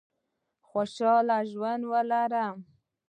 خوشاله ژوند وکړه.